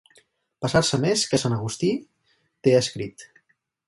Passar-se més que sant Agustí té escrit.